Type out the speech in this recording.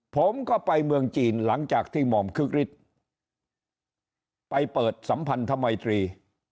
ผมก็ไปเมืองจีนหลังจากที่หม่อมคึกฤทธิ์ไปเปิดสัมพันธมัยตรี